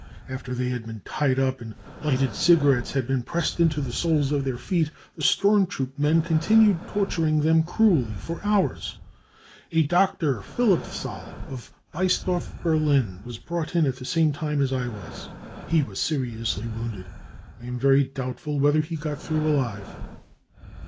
After they had been tied up and lighted cigarettes had been pressed into the soles of their feet, the storm troop men continued torturing them cruelly for hours. A doctor Philippsthal, of Biesdorf, Berlin, was brought in at the same time as I was. He was seriously wounded. I am very doubtful whether he got through alive."